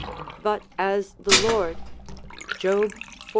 But as the Lord (Job xlii.